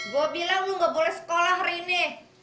gue bilang lu gak boleh sekolah hari ini